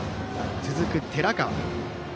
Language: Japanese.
続く寺川。